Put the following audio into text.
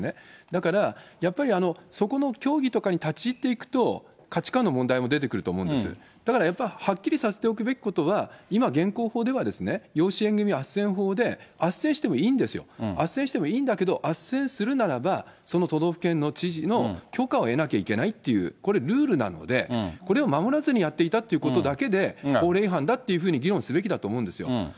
だからやっぱり、そこの教義とかに立ち入っていくと、価値観の問題も出てくると思うんです、だからやっぱりはっきりさせておくべきことは、今、現行法では養子縁組あっせん法で、あっせんしてもいいんですよ、あっせんしてもいいんだけれども、あっせんするならば、その都道府県の知事の許可を得なければいけないっていう、これ、ルールなので、これを守らずにやっていたということだけで、法令違反だっていうふうに議論すべきだと思うんですよ。